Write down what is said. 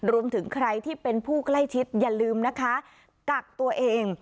รวมถึงใครที่เป็นผู้ใกล้ชิดอย่าลืมนะคะกักตัวเอง